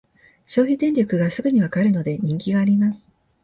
消費電力がすぐにわかるので人気があります